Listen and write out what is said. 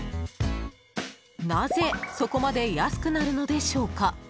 なぜそこまで安くなるのでしょうか。